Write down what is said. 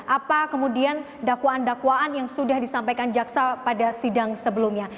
apa kemudian dakwaan dakwaan yang sudah disampaikan jaksa pada sidang sebelumnya